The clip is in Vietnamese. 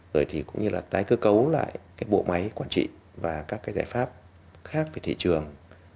rồi thì cũng như là tái cơ cấu lại cái bộ máy quản trị và các cái giải pháp khác về thị trường